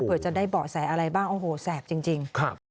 เพื่อจะได้เบาะแสอะไรบ้างโอ้โหแสบจริง